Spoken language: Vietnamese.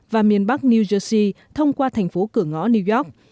và miền bắc new jersey thông qua thành phố cửa ngõ new york